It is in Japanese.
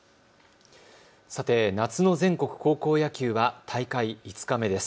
夏の全国高校野球は大会５日目です。